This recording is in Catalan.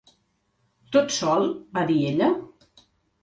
"Tot sol?" va dir ella.